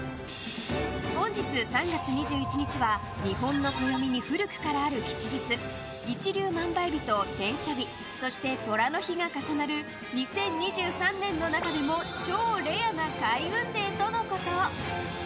本日３月２１日は日本の暦に古くからある吉日一粒万倍日と天赦日そして寅の日が重なる２０２３年の中でも超レアな開運デーとのこと。